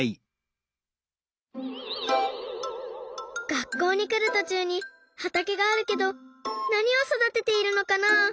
学校にくるとちゅうにはたけがあるけどなにをそだてているのかな？